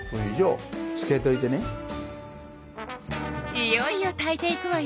いよいよ炊いていくわよ。